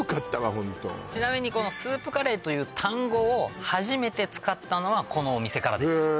ホントちなみにこのスープカレーという単語を初めて使ったのはこのお店からですへえ